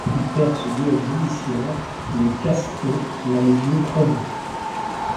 Il perd ce duel judiciaire et est castré et a les yeux crevés.